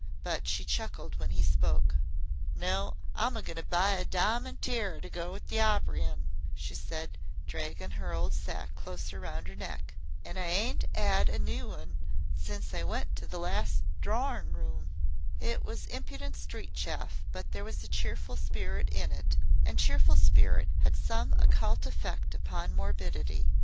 But she chuckled when he spoke. "No, I 'm goin' to buy a di'mond tirarer to go to the opery in," she said, dragging her old sack closer round her neck. "I ain't ad a noo un since I went to the last Drorin' room." It was impudent street chaff, but there was cheerful spirit in it, and cheerful spirit has some occult effect upon morbidity.